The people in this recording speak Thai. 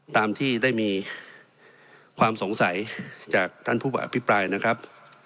ตามที่ได้มีความสงสัยจากท่านผู้อภิปรายนะครับ